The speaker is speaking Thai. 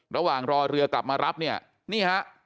ระหว่างรอเรือกลับมารับเนี่ยนี่ฮะ